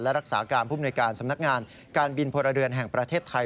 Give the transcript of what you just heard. และรักษาการผู้มนุยการสำนักงานการบินพลเรือนแห่งประเทศไทย